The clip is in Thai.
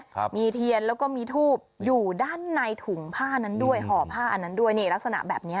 ครับมีเทียนแล้วก็มีทูบอยู่ด้านในถุงผ้านั้นด้วยห่อผ้าอันนั้นด้วยนี่ลักษณะแบบเนี้ย